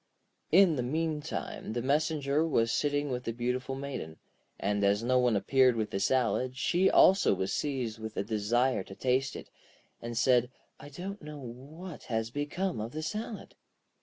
In the meantime the messenger was sitting with the beautiful Maiden, and as no one appeared with the salad, she also was seized with a desire to taste it, and said: 'I don't know what has become of the salad.'